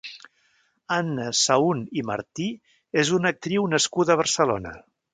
Anna Sahun i Martí és una actriu nascuda a Barcelona.